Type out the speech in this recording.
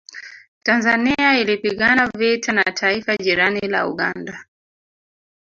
Tanzania ilipigana vita na taifa jirani la Uganda